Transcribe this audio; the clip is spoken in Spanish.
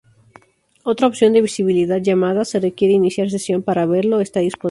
Otra opción de visibilidad llamada "se requiere iniciar sesión para verlo" está disponible.